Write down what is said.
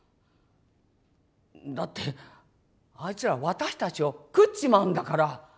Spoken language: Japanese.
だってあいつら私たちを食っちまうんだから。